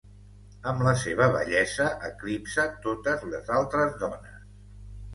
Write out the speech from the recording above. Amb la seva bellesa eclipsa totes les altres dones!